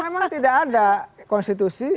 memang tidak ada konstitusi